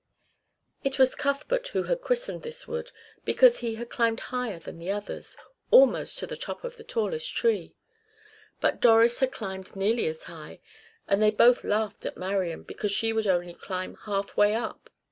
It was Cuthbert who had christened this wood, because he had climbed higher than the others almost to the top of the tallest tree. But Doris had climbed nearly as high, and they both laughed at Marian, because she would only climb half way up.